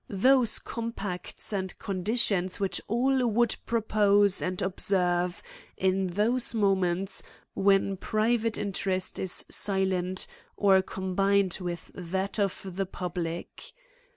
Those compacts and conditions which all would propose and observe in those moments when pri vate interest is silent, or combined with that of the public.